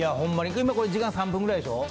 これ、時間３分ぐらいでしょ？